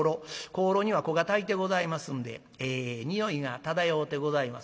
香炉には香がたいてございますんでええ匂いが漂うてございます。